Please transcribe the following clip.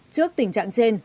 trước tình trạng trên